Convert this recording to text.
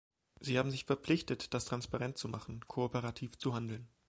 Sie haben sich verpflichtet, das transparent zu machen, kooperativ zu handeln.